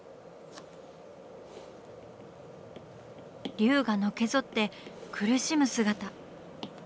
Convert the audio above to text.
龍がのけぞって苦しむ姿。